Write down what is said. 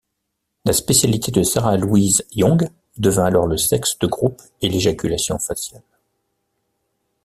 La spécialité de Sarah-Louise Young devint alors le sexe de groupe et l'éjaculation faciale.